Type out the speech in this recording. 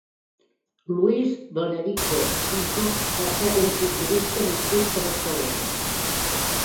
Luis Benedico Siso va ser un futbolista nascut a Barcelona.